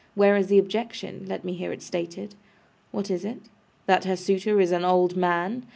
Where is the objection? Let me hear it stated. What is it? That her suitor is an old man?